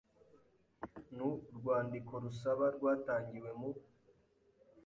n urwandiko rusaba rwatangiwe mu